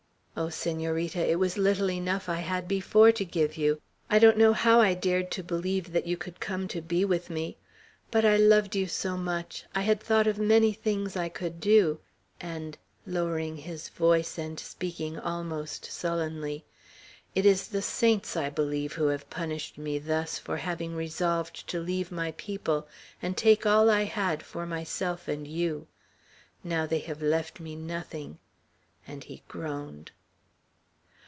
Oh, Senorita, it was little enough I had before to give you! I don't know how I dared to believe that you could come to be with me; but I loved you so much, I had thought of many things I could do; and " lowering his voice and speaking almost sullenly "it is the saints, I believe, who have punished me thus for having resolved to leave my people, and take all I had for myself and you. Now they have left me nothing;" and he groaned.